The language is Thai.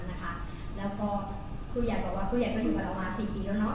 แล้วก็ผู้ใหญ่บอกว่าผู้ใหญ่ก็อยู่กับเรามา๔ปีแล้วเนาะ